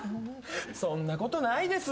そんなことないです。